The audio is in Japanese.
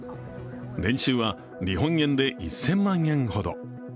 年収は日本円で１０００万円ほど。